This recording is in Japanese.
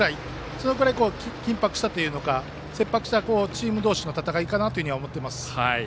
そのくらい緊迫したというか切迫したチーム同士の戦いかなと思っています。